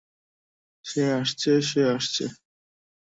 সে আসছে, সে আসছে!